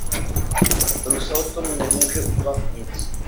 Brusel v tom nemůže udělat nic.